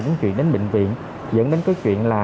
đến chuyện đến bệnh viện dẫn đến cái chuyện là